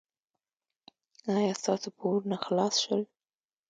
ایا ستاسو پورونه خلاص شول؟